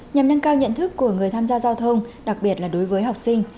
nhằm nâng cao nhận thức của người tham gia giao thông đặc biệt là đối với học sinh